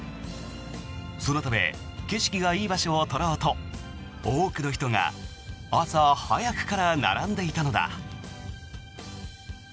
そのため景色がいい場所を取ろうと多くの人が朝早くから並んでいたのだ。